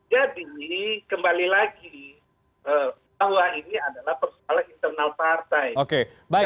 jadi kembali lagi